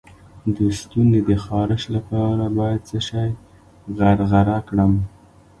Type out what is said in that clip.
د ستوني د خارش لپاره باید څه شی غرغره کړم؟